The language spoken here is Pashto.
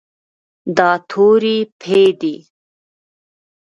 دا توری "پ" دی.